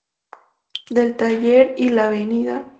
Del Taller y la Av.